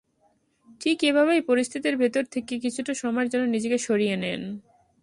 ঠিক এভাবেই পরিস্থিতির ভেতর থেকে কিছুটা সময়ের জন্য নিজেকে সরিয়ে নিন।